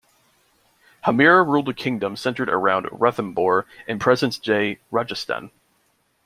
Hammira ruled a kingdom centred around Ranthambore in present-day Rajasthan.